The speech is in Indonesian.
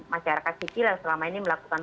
masyarakat sipil yang selama ini melakukan